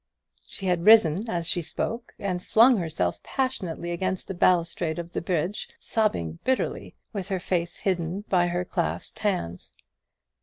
She had risen as she spoke, and flung herself passionately against the balustrade of the bridge, sobbing bitterly, with her face hidden by her clasped hands.